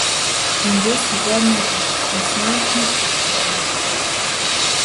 اینجا سیگار نکش، اصلا هیچ جا سیگار نکش!